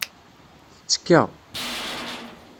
Tettekka.